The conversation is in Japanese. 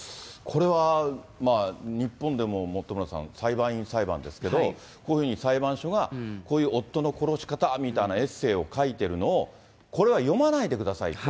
これは、日本でも、本村さん、裁判員裁判ですけど、こういうふうに裁判所が、こういう夫の殺し方みたいなエッセーを書いてるのを、これは読まないでくださいと。